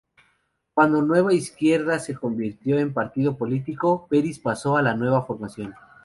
Cuando Nueva Izquierda se convirtió en partido político, Peris pasó a la nueva formación.